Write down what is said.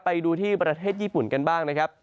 ไปดูที่ประเทศญี่ปุ่นกันบ้างนะครับ